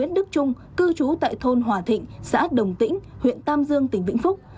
tức chung cư trú tại thôn hòa thịnh xã đồng tĩnh huyện tam dương tỉnh vĩnh phúc